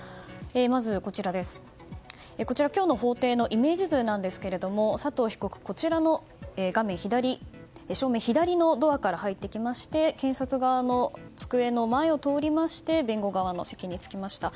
まず、こちらは今日の法廷のイメージ図ですが佐藤被告、正面左のドアから入ってきまして検察側の机の前を通りまして弁護側の席に着きました。